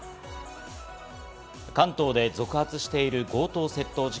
関東で続発している強盗窃盗事件。